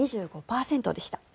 ２５％でした。